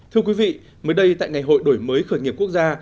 thưa quý vị mới đây tại ngày hội đổi mới khởi nghiệp quốc gia